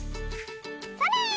それ！